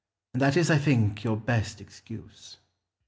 And that is, I think, your best excuse.